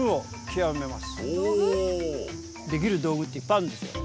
できる道具っていっぱいあるんですよ。